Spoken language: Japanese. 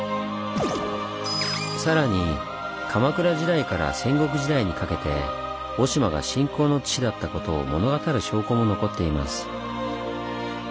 さらに鎌倉時代から戦国時代にかけて雄島が信仰の地だったことを物語る証拠も残っています。